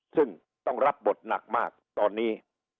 ซึ่งต้องรับบทหนักมากตอนนี้